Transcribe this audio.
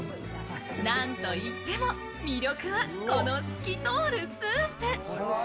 なんといっても魅力はこの透き通るスープ。